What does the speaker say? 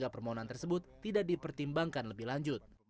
pemohonan tersebut tidak dipertimbangkan lebih lanjut